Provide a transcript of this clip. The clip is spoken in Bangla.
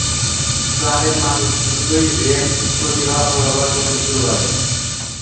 ক্লাবের মালিক দ্রুতই রে-র প্রতিভার অপব্যবহার করতে শুরু করে।